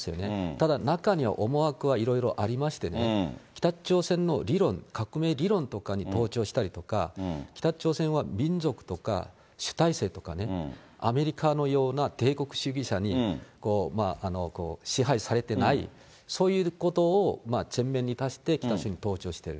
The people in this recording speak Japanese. ただ中の思惑はいろいろありましてね、北朝鮮の理論、革命理論とかに同調したりとか、北朝鮮は民族とか主体性とかね、アメリカのような帝国主義者に支配されてない、そういうことを前面に出して、北朝鮮に同調してる。